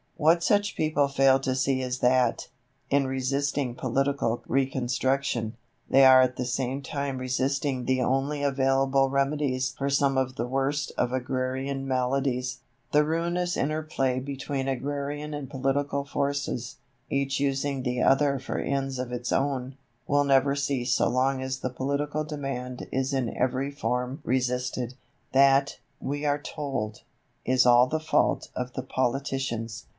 What such people fail to see is that, in resisting political reconstruction, they are at the same time resisting the only available remedies for some of the worst of agrarian maladies. The ruinous interplay between agrarian and political forces, each using the other for ends of its own, will never cease so long as the political demand is in every form resisted. That, we are told, is all the fault of the politicians.